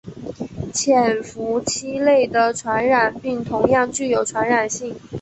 潜伏期内的传染病同样具有传染性。